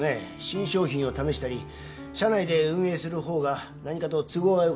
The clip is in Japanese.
新商品を試したり社内で運営する方が何かと都合が良かったんです。